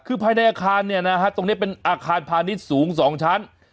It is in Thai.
คือภายในอาคารเนี่ยนะฮะตรงนี้เป็นอาคารพาณิชย์สูง๒ชั้น